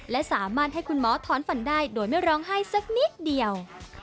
และสามารถให้คุณหมอถอนฝันได้โดยไม่ร้องไห้สักนิดเดียว